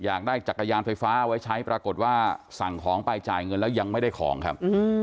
อยากได้จักรยานไฟฟ้าไว้ใช้ปรากฏว่าสั่งของไปจ่ายเงินแล้วยังไม่ได้ของครับ